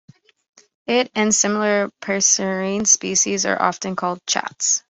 It, and similar passerine species, are often called chats.